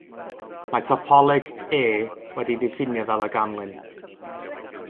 Mae topoleg “E” wedi'i ddiffinio fel a ganlyn.